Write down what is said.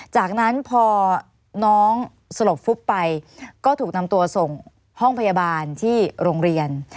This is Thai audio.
จากนั้นพอน้องสลบฟุบไปก็ถูกนำตัวส่งห้องพยาบาลที่โรงเรียน